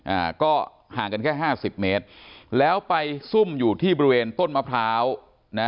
อ่าก็ห่างกันแค่ห้าสิบเมตรแล้วไปซุ่มอยู่ที่บริเวณต้นมะพร้าวนะ